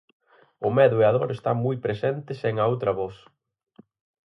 O medo e a dor están moi presentes en 'A outra voz'.